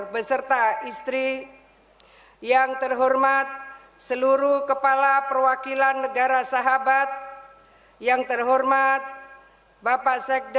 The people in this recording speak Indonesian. beserta istri yang terhormat seluruh kepala perwakilan negara sahabat yang terhormat bapak sekda